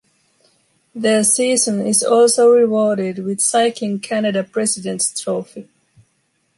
Their season is also rewarded with Cycling Canada President’s Trophy.